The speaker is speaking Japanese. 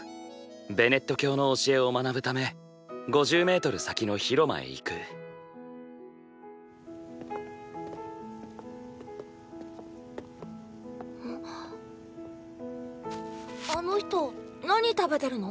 ベネット教の教えを学ぶため５０ｍ先の広間へ行くあの人何食べてるの？